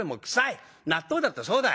納豆だってそうだ。